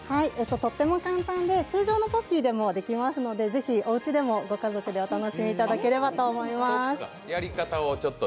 とても簡単で通常のポッキーでもできますのでぜひ、おうちでもご家族でお楽しみいただければと思います